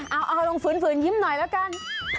เอาลงฝืนยิ้มหน่อยแล้วกัน